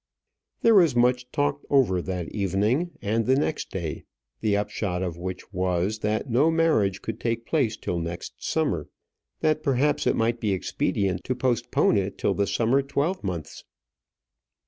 There was much talked over that evening and the next day: the upshot of which was, that no marriage could take place till next summer; that perhaps it might be expedient to postpone it till the summer twelvemonths.